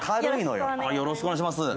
よろしくお願いします。